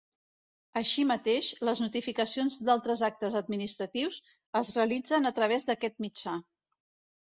Així mateix, les notificacions d'altres actes administratius es realitzen a través d'aquest mitjà.